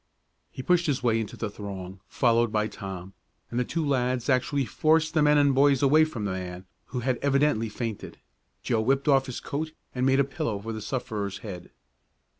He pushed his way into the throng, followed by Tom, and the two lads actually forced the men and boys away from the man, who had evidently fainted. Joe whipped off his coat and made a pillow for the sufferer's head.